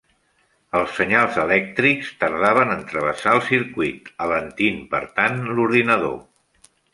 Els senyals elèctrics tardaven en travessar el circuit, alentint per tant l'ordinador.